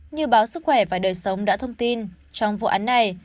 như báo sức khỏe và đời sống đã thông tin trong vụ án này